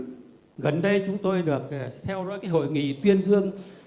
chúng tôi đã gần đây chúng tôi được theo dõi cái hội nghị tuyên dương